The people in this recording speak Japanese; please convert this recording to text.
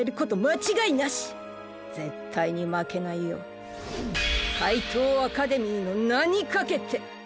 ぜったいにまけないよかいとうアカデミーのなにかけて！